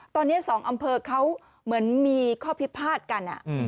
ตอนนี้๒อำเภอเขาเหมือนมีข้อพิพาทกัน